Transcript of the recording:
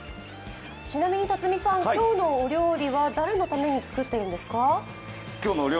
ちなみに辰巳さん、今日のお料理は誰のために作ってるんですか？